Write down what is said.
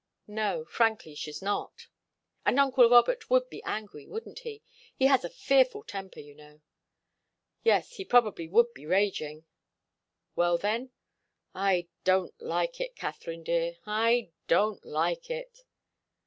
"No frankly, she's not." "And uncle Robert would be angry, wouldn't he? He has a fearful temper, you know." "Yes he probably would be raging." "Well, then?" "I don't like it, Katharine dear I don't like it."